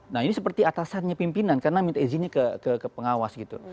nah ini seperti atasannya pimpinan karena minta izinnya ke pengawas gitu